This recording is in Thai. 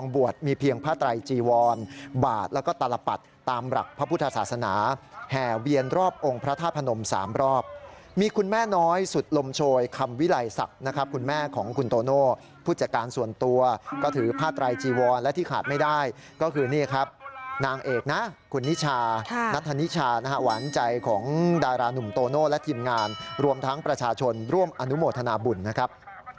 มีเพียง๓รอบมีคุณแม่น้อยสุดลมโชยคำวิไลศักดิ์นะครับคุณแม่ของคุณโตโน่ผู้จัดการส่วนตัวก็ถือผ้าไตรจีวรและที่ขาดไม่ได้ก็คือนี่ครับนางเอกนะคุณนิชานัทธนิชานะฮะหวานใจของดารานุ่มโตโน่และทีมงานรวมทั้งประชาชนร่วมอนุโมทนาบุญนะครับ